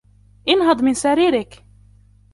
انهض من سريرك!